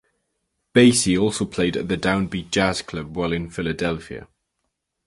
Basie also played at the Downbeat jazz club while in Philadelphia.